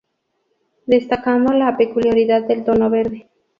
Destacando la peculiaridad del tono verde.